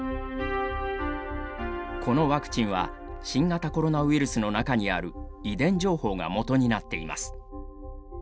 このワクチンは新型コロナウイルスの中にある遺伝情報がもとになっています。